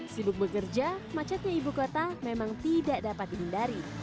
sibuk bekerja macetnya ibu kota memang tidak dapat dihindari